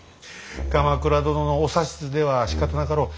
鎌倉殿のお指図ではしかたなかろう。